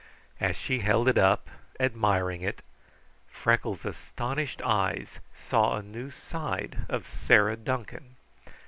As she held it up, admiring it, Freckles' astonished eyes saw a new side of Sarah Duncan.